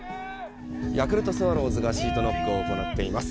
ヤクルトスワローズがシートノックを行っています。